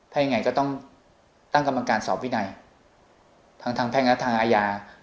ถ้าอย่างไรก็ต้องตั้งกำลังการสอบวินัยทางแพทย์และทางอาญา